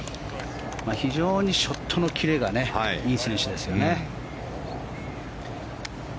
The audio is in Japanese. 非常にショットのキレがいい選手ですね。